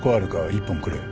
１本くれ。